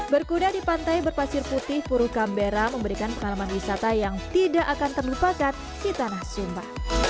berkuda di pantai berpasir putih puru kambera memberikan pengalaman wisata yang tidak akan terlupakan di tanah sumba